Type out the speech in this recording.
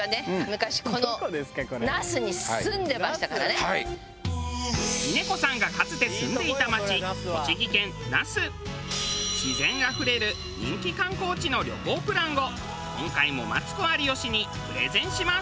昔この峰子さんがかつて住んでいた町自然あふれる人気観光地の旅行プランを今回もマツコ有吉にプレゼンします。